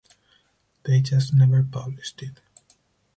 They just never published it.